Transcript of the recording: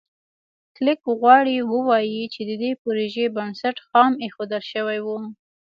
کلېک غواړي ووایي چې د دې پروژې بنسټ خام ایښودل شوی و.